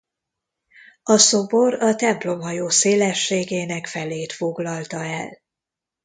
A szobor a templomhajó szélességének felét foglalta el.